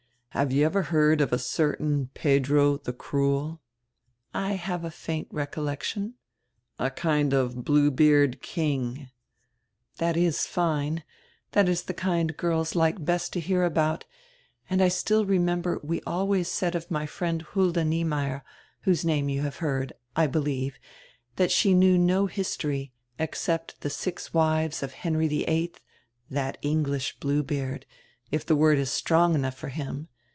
Have you ever heard of a certain Pedro the Cruel?" "I have a faint recollection." "A kind of Bluebeard king." "That is fine. That is die kind girls like best to hear about, and I still remember we always said of my friend Hulda Niemeyer, whose name you have heard, I believe, that she knew no history, except die six wives of Henry die Eighth, that English Bluebeard, if die word is strong enough for him.